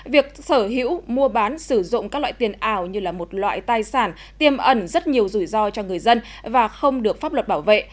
việc sở hữu mua bán sử dụng các loại tiền ảo như là một loại tài sản tiêm ẩn rất nhiều rủi ro cho người dân và không được pháp luật bảo vệ